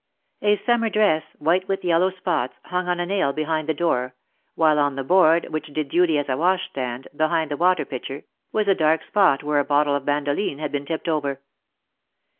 A summer dress, white with yellow spots, hung on a nail behind the door, while on the board, which did duty as a washstand, behind the water pitcher, was a dark spot where a bottle of bandoline had been tipped over.